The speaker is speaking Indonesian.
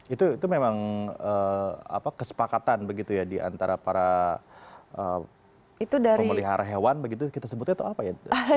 itu memang kesepakatan begitu ya diantara para pemelihara hewan begitu kita sebutnya atau apa ya